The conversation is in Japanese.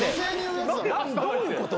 どういうこと？